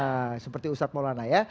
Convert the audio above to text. ya seperti ustadz maulana ya